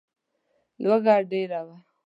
لوږه ډېره وه.